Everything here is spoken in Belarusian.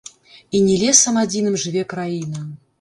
І не лесам адзіным жыве краіна.